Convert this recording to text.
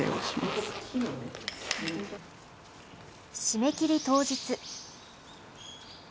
締め切り当日。